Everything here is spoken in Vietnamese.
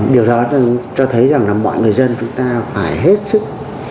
điều đó cho thấy rằng là mọi người dân chúng ta phải hết sức